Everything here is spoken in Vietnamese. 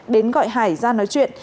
đến gọi hải ra nói chuyện